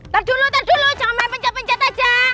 tar dulu tar dulu jangan main pencet pencet aja